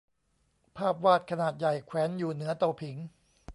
ภาพวาดขนาดใหญ่แขวนอยู่เหนือเตาผิง